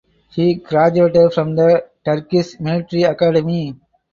He graduated from the Turkish Military Academy.